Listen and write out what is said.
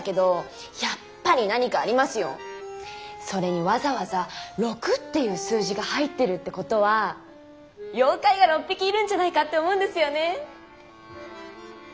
それにわざわざ「六」っていう数字が入ってるってことは妖怪が「６匹」いるんじゃないかって思うんですよね。